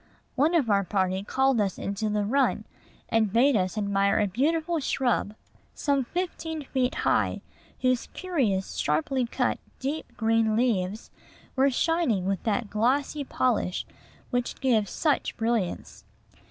One of our party called us into the run, and bade us admire a beautiful shrub, some fifteen feet high, whose curious, sharply cut, deep green leaves were shining with that glossy polish which gives such brilliance.